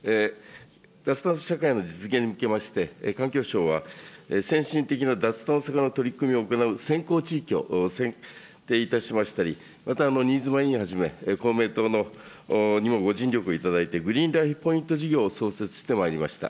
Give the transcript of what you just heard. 脱炭素社会の実現におきまして、環境省は、先進的な脱炭素化の取り組みを行う先行地域を選定いたしましたり、また新妻委員はじめ、公明党にもご尽力いただいて、グリーンライフ・ポイント事業を創設してまいりました。